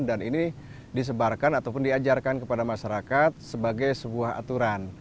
dan ini disebarkan ataupun diajarkan kepada masyarakat sebagai sebuah aturan